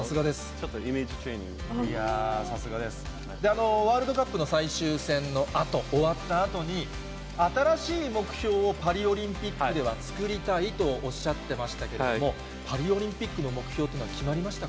ちょっと、ワールドカップの最終戦のあと、終わったあとに、新しい目標をパリオリンピックでは作りたいとおっしゃってましたけども、パリオリンピックの目標っていうのは決まりましたか。